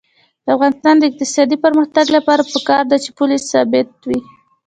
د افغانستان د اقتصادي پرمختګ لپاره پکار ده چې پولي ثبات وي.